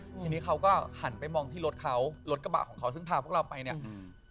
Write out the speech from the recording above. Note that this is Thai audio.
อืมทีนี้เขาก็หันไปมองที่รถเขารถกระบะของเขาซึ่งพาพวกเราไปเนี้ยอืม